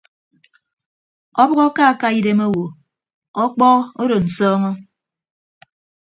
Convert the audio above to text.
Ọbʌk akaka idem owo ọkpọ odo nsọọñọ.